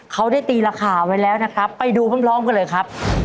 เขาได้ตีราคาไว้แล้วนะครับไปดูพร้อมกันเลยครับ